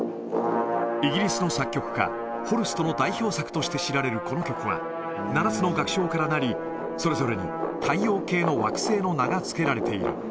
イギリスの作曲家、ホルストの代表作として知られるこの曲は、７つの楽章からなり、それぞれに太陽系の惑星の名がつけられている。